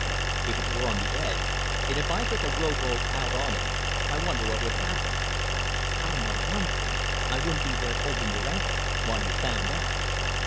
"If it were on the edge, and if I took a rowboat out on it, I wonder what would happen?" "I know one thing I wouldn't be there holding your ankle while you found out."